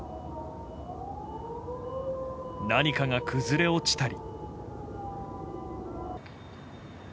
何かが崩れ落ちたり。